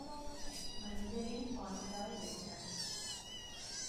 மஞ்சளில் பாய்ந்தால் என்ன?